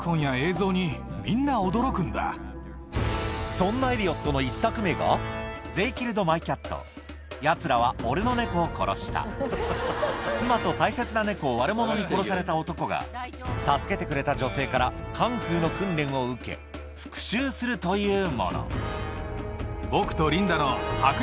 そんなエリオットの妻と大切な猫を悪者に殺された男が助けてくれた女性からカンフーの訓練を受け復讐するというもの